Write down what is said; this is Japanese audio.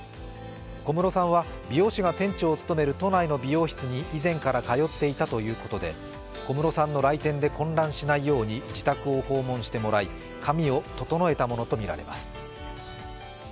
小室さんは美容師が店長を務める都内の美容室に以前から通っていたということで、小室さんの来店で混乱しないように自宅をも訪問してもらい、髪を整えたものとみています。